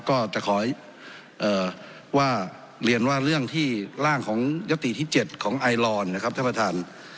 ก็จะขอว่าเรียนว่าเรื่องที่ร่างของยศติที่๗ของไอลอนนะครับท่านประธาน